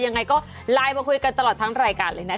ยังไงก็ไลน์มาคุยกันตลอดทั้งรายการเลยนะคะ